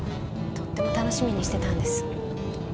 とっても楽しみにしてたんです。